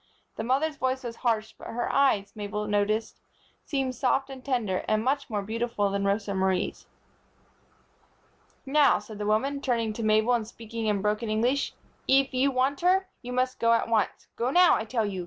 The mother's voice was harsh, but her eyes, Mabel noticed, seemed soft and tender, and much more beautiful than Rosa Marie's. "Now," said the woman, turning to Mabel and speaking in broken English, "eef you want her, you must go at once. Go now, I tell you.